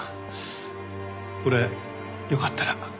これよかったら。